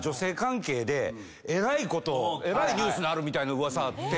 えらいニュースにみたいな噂あって。